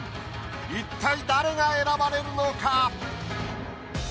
一体誰が選ばれるのか？